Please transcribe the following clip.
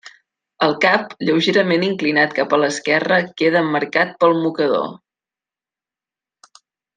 El cap, lleugerament inclinat cap a l'esquerra, queda emmarcat pel mocador.